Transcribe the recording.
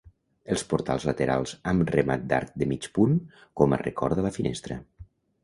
Els portals laterals amb remat d'arc de mig punt com a record de la finestra.